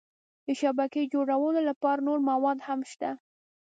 د شبکې جوړولو لپاره نور مواد هم شته.